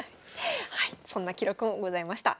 はいそんな記録もございました。